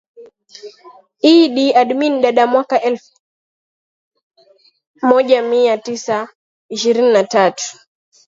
Idi Amin Dada mwaka lfu elfu moja mia tisa ishirini na tatu